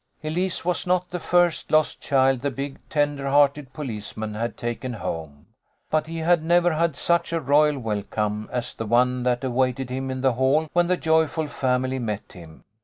Elise was not the first lost child the big, tender hearted policeman had taken home, but he had never had such a royal welcome as the one that awaited him in the hall when the joyful family met him.